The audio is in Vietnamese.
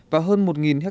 và hơn một ha